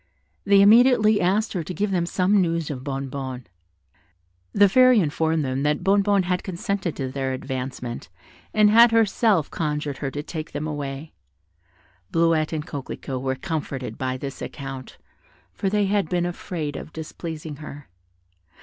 They immediately asked her to give them some news of Bonnebonne. The Fairy informed them that Bonnebonne had consented to their advancement, and had herself conjured her to take them away. Bleuette and Coquelicot were comforted by this account, for they had been afraid of displeasing her.